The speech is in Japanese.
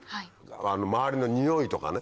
周りのにおいとかね